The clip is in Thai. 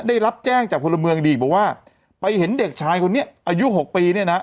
ได้รับแจ้งจากพลเมืองดีบอกว่าไปเห็นเด็กชายคนนี้อายุ๖ปีเนี่ยนะ